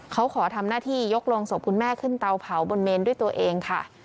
เขาขอทำหน้าที่ยกโรงศพคุณแม่ขึ้นเตาเผาบนเมนด้วยตัวเองค่ะ